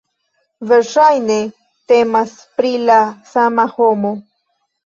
Verŝajne temas pri la sama homo.